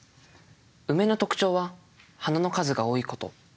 ウメの特徴は花の数が多いこと。